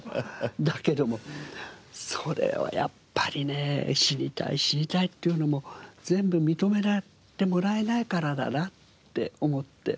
だけどもそれをやっぱりね「死にたい死にたい」って言うのも全部認めてもらえないからだなって思って。